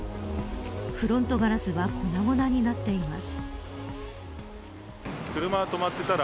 フロントガラスはこなごなになっています。